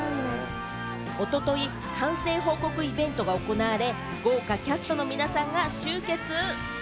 おととい完成報告イベントが行われ、豪華キャストの皆さんが集結。